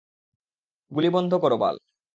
গুলি বন্ধ কর, বাল!